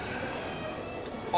あ！